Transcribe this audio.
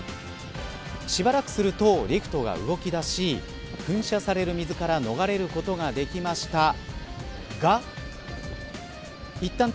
しばらくするとリフトが動き出し噴射される水から逃れることができました。